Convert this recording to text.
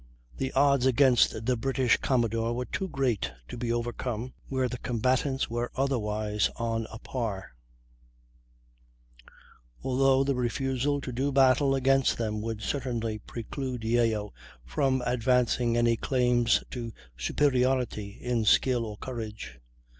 The odds against the British commodore were too great to be overcome, where the combatants were otherwise on a par, although the refusal to do battle against them would certainly preclude Yeo from advancing any claims to superiority in skill or courage.